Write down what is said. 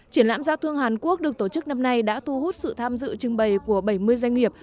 triển lãm giao thương hàn quốc được tổ chức năm nay đã thu hút sự tham dự trưng bày của bảy mươi doanh nghiệp